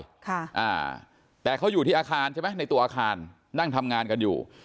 ค่ะอ่าแต่เขาอยู่ที่อาคารใช่ไหมในตัวอาคารนั่งทำงานกันอยู่